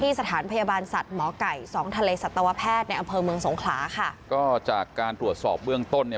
สถานพยาบาลสัตว์หมอไก่สองทะเลสัตวแพทย์ในอำเภอเมืองสงขลาค่ะก็จากการตรวจสอบเบื้องต้นเนี่ย